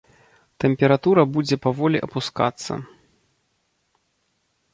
Тэмпература будзе паволі апускацца.